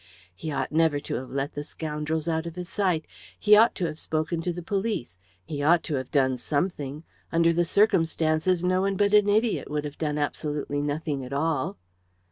He ought never to have let the scoundrels out of his sight; he ought to have spoken to the police; he ought to have done something; under the circumstances no one but an idiot would have done absolutely nothing at all.